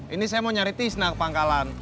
ini saya mau nyari tisna ke pangkalan